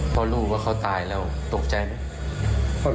พอรู้ว่าเขาตายแล้วตกใจไหม